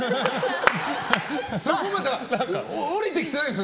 そこはまだ降りてきてないんです